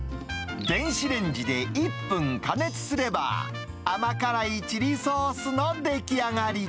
電子レンジで１分加熱すれば、甘辛いチリソースの出来上がり。